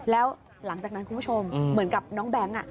แล้วหลังจากนั้นคุณผู้ชมเหมือนกับน้องแบงค์